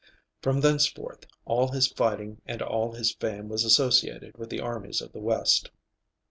From thenceforth all his fighting and all his fame was associated with the armies of the West.